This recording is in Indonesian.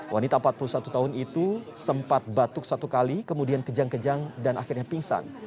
wanita empat puluh satu tahun itu sempat batuk satu kali kemudian kejang kejang dan akhirnya pingsan